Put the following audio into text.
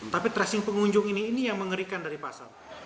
tapi tracing pengunjung ini ini yang mengerikan dari pasar